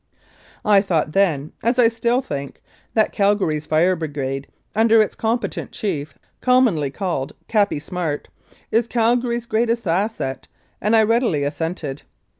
I thought then, as I think still, that Calgary's Fire Brigade, under its competent chief, commonly called "Cappie Smart," is Calgary's greatest asset, and I readily assented.